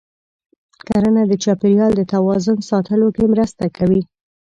کرنه د چاپېریال د توازن ساتلو کې مرسته کوي.